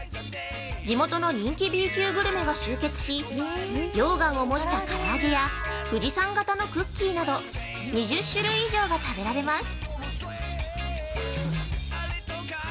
地元の人気Ｂ級グルメが集結し溶岩を模したから揚げや富士山型のクッキーなど２０種類以上が食べられます。